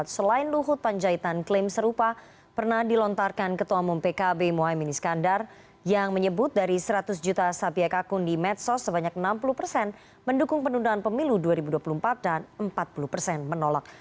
selain luhut panjaitan klaim serupa pernah dilontarkan ketua umum pkb mohaimin iskandar yang menyebut dari seratus juta sabiak akun di medsos sebanyak enam puluh persen mendukung penundaan pemilu dua ribu dua puluh empat dan empat puluh persen menolak